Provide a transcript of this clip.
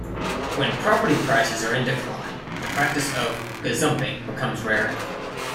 When property prices are in decline the practice of gazumping becomes rare.